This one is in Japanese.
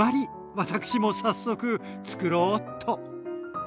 私も早速つくろうっと。